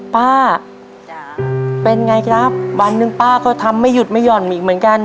ป้าจ้ะเป็นไงครับวันหนึ่งป้าก็ทำไม่หยุดไม่หย่อนอีกเหมือนกัน